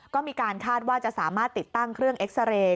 ก็มีการคาดว่าจะสามารถติดตั้งเครื่องเอ็กซาเรย์